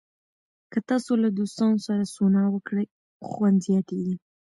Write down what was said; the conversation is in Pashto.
که تاسو له دوستانو سره سونا وکړئ، خوند زیاتېږي.